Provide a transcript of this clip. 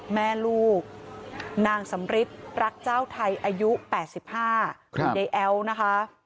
แม่ลูกนางสำฤิษฐ์รักเจ้าไทยอายุ๘๕ในแอ๋วนะคะ